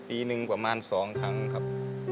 ปีหนึ่งประมาณ๒ครั้งครับ